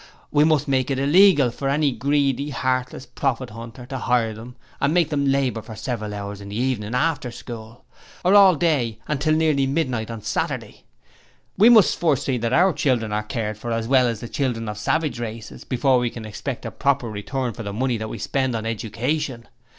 We must make it illegal for any greedy, heartless profit hunter to hire them and make them labour for several hours in the evening after school, or all day and till nearly midnight on Saturday. We must first see that our children are cared for, as well as the children of savage races, before we can expect a proper return for the money that we spend on education.'